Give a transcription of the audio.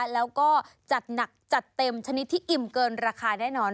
แล้วก็จัดหนักจัดเต็มชนิดที่อิ่มเกินราคาแน่นอน